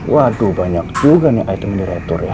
waduh banyak juga nih item yang diretur ya